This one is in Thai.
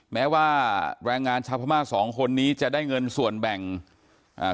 แม้ว่าแรงงานชาวพม่าสองคนนี้จะได้เงินส่วนแบ่งอ่า